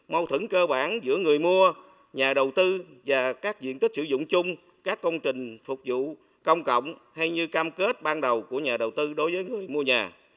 mâu thửng cơ bản giữa người mua nhà đầu tư và các diện tích sử dụng chung các công trình phục vụ công cộng hay như cam kết ban đầu của nhà đầu tư đối với người mua nhà